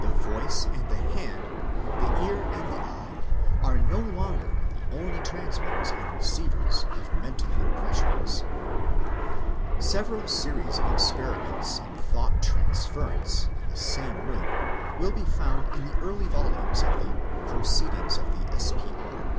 The voice and the hand, the ear and the eye, are no longer the only transmitters and receivers of mental impressions. Several series of experiments in thought transference in the 572 The Outline of Science same room will be found in the early volumes of the Proceedings of the S.P.R.